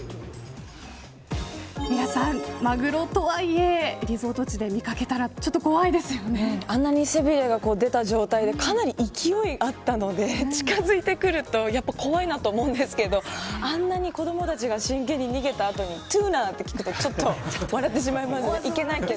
マグロとはいえ、リゾート地で見掛けたらあんなに背びれが出た状態でかなり勢いがあったので近づいてくるとやっぱり怖いなと思うんですけどあんなに子どもたちが真剣に逃げた後にツナと聞くとちょっと笑ってしまいますね。